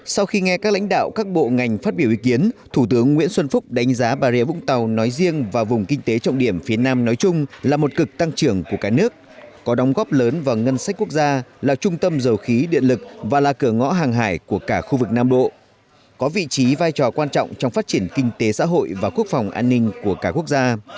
sau khi nghe các lãnh đạo các bộ ngành phát biểu ý kiến thủ tướng nguyễn xuân phúc đánh giá bà rịa vũng tàu nói riêng và vùng kinh tế trọng điểm phía nam nói chung là một cực tăng trưởng của cả nước có đóng góp lớn vào ngân sách quốc gia là trung tâm dầu khí điện lực và là cửa ngõ hàng hải của cả khu vực nam độ có vị trí vai trò quan trọng trong phát triển kinh tế xã hội và quốc phòng an ninh của cả quốc gia